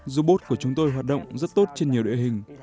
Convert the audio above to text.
robot của chúng tôi hoạt động rất tốt trên nhiều địa hình